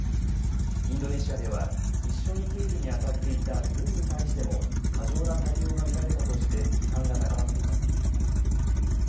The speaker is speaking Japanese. インドネシアでは一緒に警備にあたっていた軍に対しても過剰な対応が見られたとして批判が高まっています。